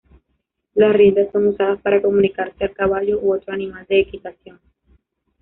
Las riendas son usadas para comunicarse al caballo u otro animal de equitación.